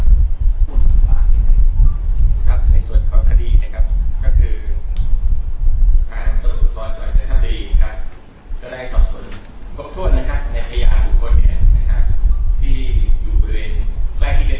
ต่อไปแล้วว่ามาตรฐานตอนต้องเชี่ยวที่เกิดจากบาดแพ้ถ้าจะเป็นคุณหมาหรือว่าเป็นตัวทอมหรือเปล่า